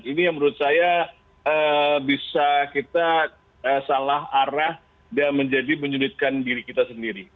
ini yang menurut saya bisa kita salah arah dan menjadi menyulitkan diri kita sendiri